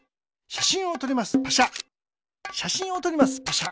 しゃしんをとりますパシャ。